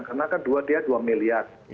karena kan dia dua miliar